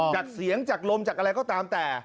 จากเสียงจากลมจากอะไรก็ตามแต่